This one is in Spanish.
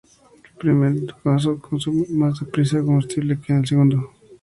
En el primer caso se consume más deprisa el combustible que en el segundo.